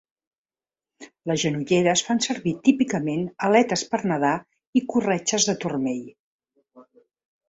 Les genolleres fan servir típicament aletes per nedar i corretges de turmell.